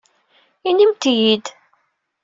Inimt-iyi-d.